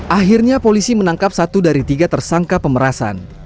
akhirnya polisi menangkap satu dari tiga tersangka pemerasan